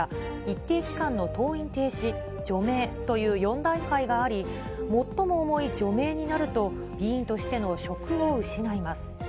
国会の懲罰は、軽い順に、戒告、陳謝、一定期間の登院停止、除名という４段階があり、最も重い除名になると、議員としての職を失います。